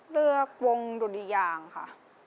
เลือกวงดุริยางค่ะ